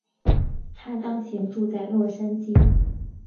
她当前住在洛杉矶。